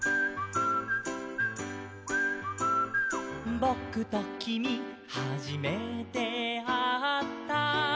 「ぼくときみはじめてあった」